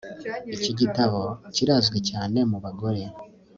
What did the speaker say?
Iki gitabo kirazwi cyane mubagore